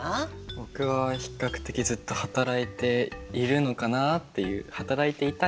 僕は比較的ずっと働いているのかなっていう働いていたいなって思ってます。